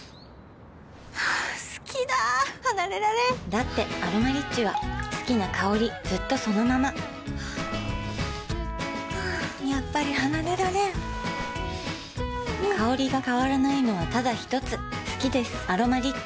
好きだ離れられんだって「アロマリッチ」は好きな香りずっとそのままやっぱり離れられん香りが変わらないのはただひとつ好きです「アロマリッチ」